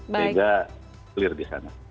sehingga clear di sana